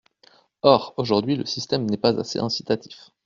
Or, aujourd’hui, le système n’est pas assez incitatif.